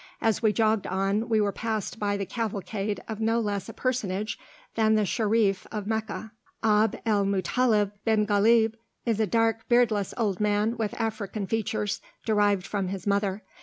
As we jogged on we were passed by the cavalcade of no less a personage than the Sherif of Meccah. Abd el Muttalib bin Ghalib is a dark, beardless old man with African features, derived from his mother.